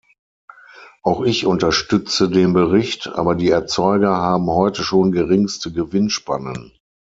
Auch ich unterstütze den Bericht, aber die Erzeuger haben heute schon geringste Gewinnspannen.